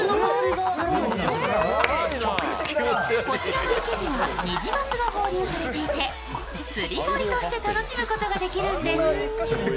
こちらの池にはニジマス放流されていて釣堀として楽しむことができるんです。